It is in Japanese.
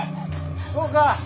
・そうか。